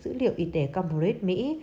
dữ liệu y tế cambridge mỹ